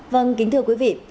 vâng kính thưa quý vị